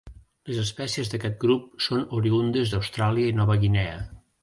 Les espècies d'aquest grup són oriündes d'Austràlia i Nova Guinea.